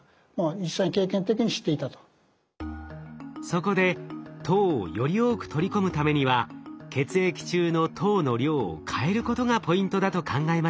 そこで糖をより多く取り込むためには血液中の糖の量を変えることがポイントだと考えました。